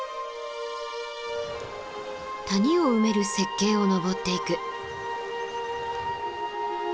谷を埋める雪渓を登っていく。